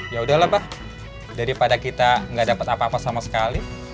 yaudahlah daripada kita gak dapat apa apa sama sekali